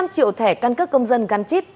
sáu mươi năm triệu thẻ căn cấp công dân gắn chip